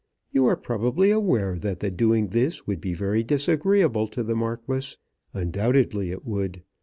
You are probably aware that the doing this would be very disagreeable to the Marquis. Undoubtedly it would.